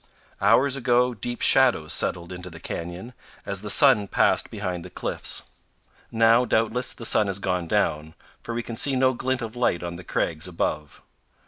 Hours ago deep shadows settled into the canyon, as the sun passed behind the cliffs. Now, doubtless, the sun has gone down, for we can see no glint of light on the crags above.